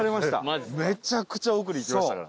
めちゃくちゃ奥に行きましたから。